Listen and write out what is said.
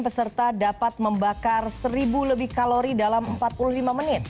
peserta dapat membakar seribu lebih kalori dalam empat puluh lima menit